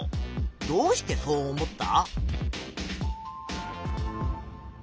どうしてそう思った？